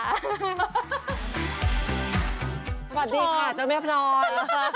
สวัสดีค่ะเจ้าแม่พลอย